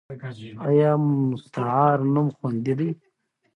ایا مستعار نوم خوندي دی؟